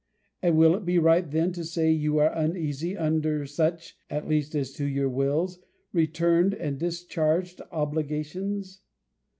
And will it be right then to say, you are uneasy under such (at least as to your wills) returned and discharged obligations?